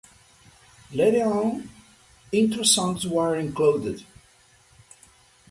Later on Intro songs were included.